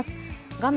画面